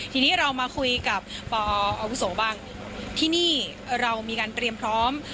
ทีนี้เรามาคุยกับปออาวุโสบ้างที่นี่เรามีการเตรียมพร้อม